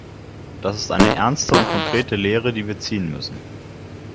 Das ist eine ernste und konkrete Lehre, die wir ziehen müssen.